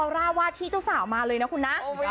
ร่าว่าที่เจ้าสาวมาเลยนะคุณนะ